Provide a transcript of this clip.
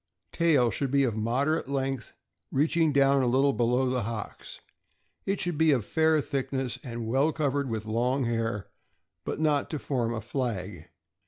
Tail. — Should be of moderate length, reaching down a little below the hocks; it should be of fair thickness and well covered with long hair, but not to form a flag.